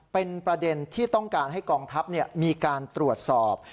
เป็นประเด็นที่ต้องการให้กองทัพมีการตรวจสอบ